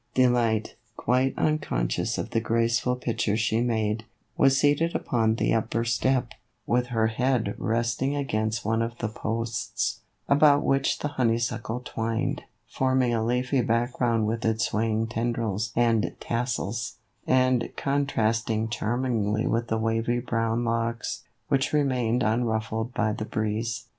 Delight, quite unconscious of the graceful picture she made, was seated upon the upper step, with her head resting against one of the posts, about which the honeysuckle twined, forming a leafy background with its swaying tendrils and tassels, and contrasting charmingly with the wavy brown locks, which re mained unruffled by the breeze.